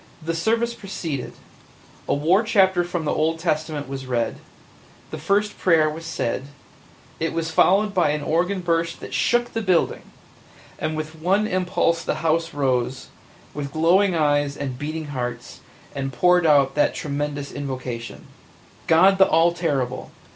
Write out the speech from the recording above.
The service proceeded; a war chapter from the Old Testament was read; the first prayer was said; it was followed by an organ burst that shook the building, and with one impulse the house rose, with glowing eyes and beating hearts, and poured out that tremendous invocation God the all terrible!